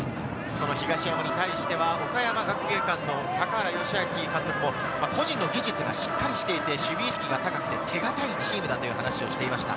東山に対しては岡山学芸館の高原良明監督も個人の技術がしっかりしていて、守備意識が高く、手堅いチームだと話をしていました。